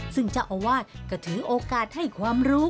ซึ่งเจ้าอาวาสก็ถือโอกาสให้ความรู้